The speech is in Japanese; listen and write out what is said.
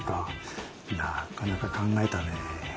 なかなか考えたね。